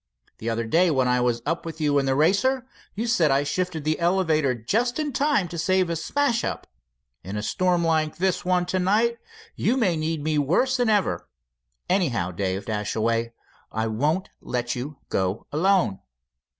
The other day when I was up with you in the Racer, you. said I shifted the elevator just in time to save a smash up. In a storm like the one to night, you my need me worse than ever. Anyhow, Dave Dashaway, I won't let you go alone."